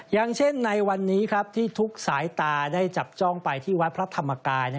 อย่างเช่นในวันนี้ที่ทุกสายตาได้จับจ้องไปที่วัดพระธรรมกาย